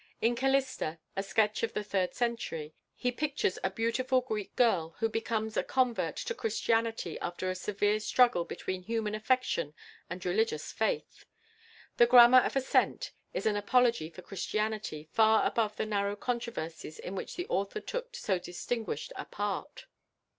In "Callista: a Sketch of the Third Century," he pictures a beautiful Greek girl, who becomes a convert to Christianity after a severe struggle between human affection and religious faith. The "Grammar of Assent" is an apology for Christianity, far above the narrow controversies in which the author took so distinguished a part.